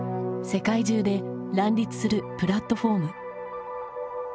世界中で乱立するプラットフォーム。